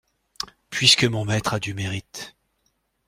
Puisque mon maître a du mérite.